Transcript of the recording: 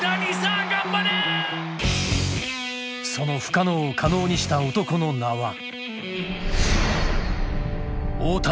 その不可能を可能にした男の名は。